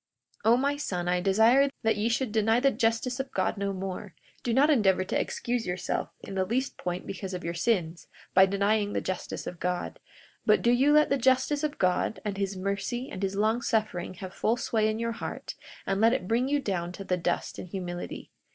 42:30 O my son, I desire that ye should deny the justice of God no more. Do not endeavor to excuse yourself in the least point because of your sins, by denying the justice of God; but do you let the justice of God, and his mercy, and his long suffering have full sway in your heart; and let it bring you down to the dust in humility.